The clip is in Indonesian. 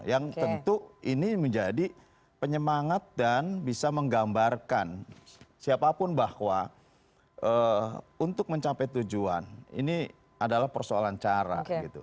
yang tentu ini menjadi penyemangat dan bisa menggambarkan siapapun bahwa untuk mencapai tujuan ini adalah persoalan cara